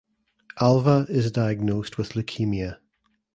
Alva is diagnosed with leukemia.